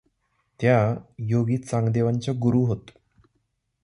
त्या योगी चांगदेवांच्या गुरू होत.